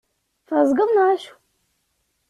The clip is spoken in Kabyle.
Tεeẓgeḍ neɣ acu?